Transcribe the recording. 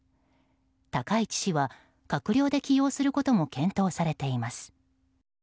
高市氏は、閣僚で起用することも検討されています。